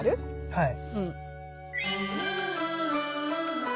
はい。